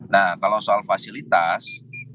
nah kalau soal fasilitas